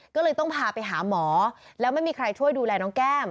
ก็เลยต้องพาไปหาหมอแล้วไม่มีใครช่วยดูแลน้องแก้ม